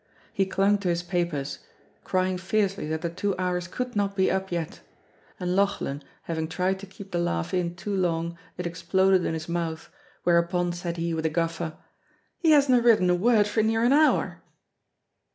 He clung to his papers, crying fiercely that the two hours could not be up yet, and Lauchlan having tried to keep the laugh in too long it exploded in his mouth, whereupon, said he, with a guffaw, "He hasna written a word for near an hour!"